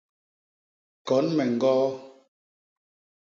Kon me ñgoo!